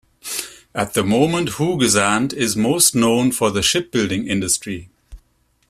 At the moment Hoogezand is most known for the shipbuilding industry.